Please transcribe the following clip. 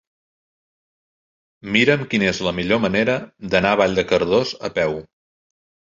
Mira'm quina és la millor manera d'anar a Vall de Cardós a peu.